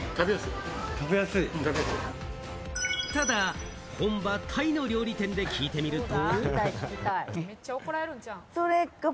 ただ、本場タイの料理店で聞いてみると。